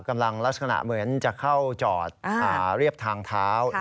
ลักษณะเหมือนจะเข้าจอดเรียบทางเท้า